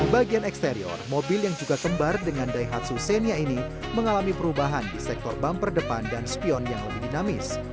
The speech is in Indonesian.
bagian eksterior mobil yang juga kembar dengan daihatsu xenia ini mengalami perubahan di sektor bumper depan dan spion yang lebih dinamis